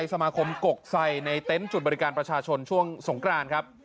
สมาคมกกไซในเต็นต์จุดบริการประชาชนช่วงสงกรานครับ